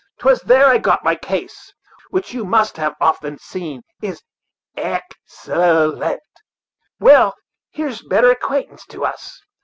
'Twas there I got my taste, which, you must have often seen, is excel lent. Well, here's better acquaintance to us."